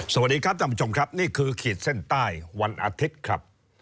สวัสดีครับท่านผู้ชมครับนี่คือขีดเส้นใต้วันอาทิตย์ครับ